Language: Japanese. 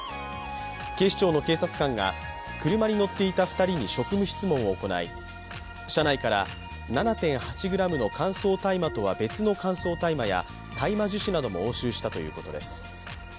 警視庁の警察官が車に乗っていた２人に職務質問を行い、車内から７．８ｇの乾燥大麻とは別の乾燥大麻や、大麻樹脂なども押収したということです。